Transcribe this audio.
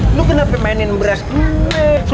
lu kenapa mainin beras